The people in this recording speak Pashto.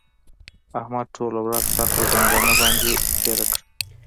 احمد ټوله ورځ سر پر ځنګانه باندې تېره کړه.